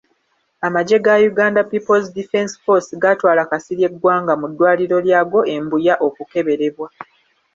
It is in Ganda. Amagye ga Uganda People's Defence Force gaatwala Kasirye Gwanga mu ddwaliro lyago e Mbuya okukeberebwa.